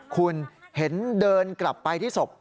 คุณเห็นเดินกลับไปที่ศพ